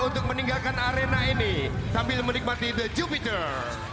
untuk meninggalkan arena ini sambil menikmati the jupiter